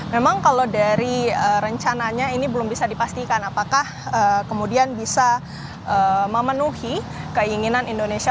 memang kalau dari rencananya ini belum bisa dipastikan apakah kemudian bisa memenuhi keinginan indonesia